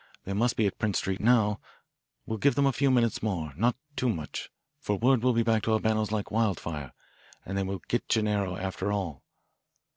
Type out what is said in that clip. They must be at Prince Street now we'll give them a few minutes more, not too much, for word will be back to Albano's like wildfire, and they will get Gennaro after all.